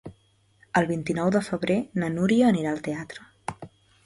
El vint-i-nou de febrer na Núria anirà al teatre.